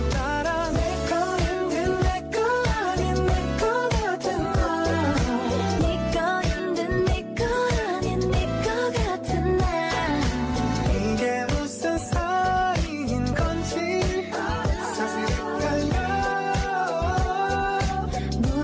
ดีดี